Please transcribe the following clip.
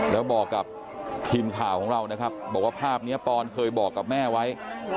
แล้วบอกกับทีมข่าวของเรานะครับบอกว่าภาพนี้ปอนเคยบอกกับแม่ไว้